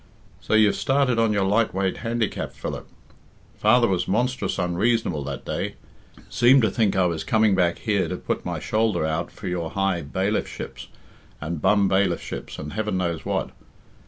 "So you've started on your light weight handicap, Philip. Father was monstrous unreasonable that day. Seemed to think I was coming back here to put my shoulder out for your high bailiffships and bum bailiffships and heaven knows what.